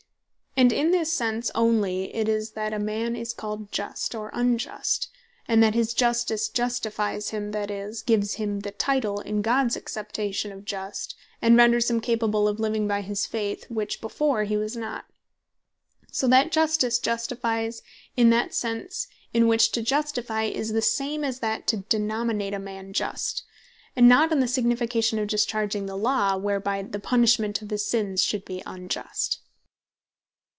And in this sense onely it is, that a man is called Just, or Unjust; and that his Justice Justifies him, that is, gives him the title, in Gods acceptation, of Just; and renders him capable of Living By His Faith, which before he was not. So that Justice Justifies in that that sense, in which to Justifie, is the same that to Denominate A Man Just; and not in the signification of discharging the Law; whereby the punishment of his sins should be unjust.